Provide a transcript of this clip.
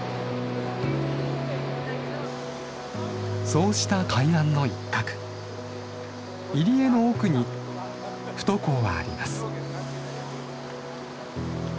そうした海岸の一角入り江の奥に富戸港はあります。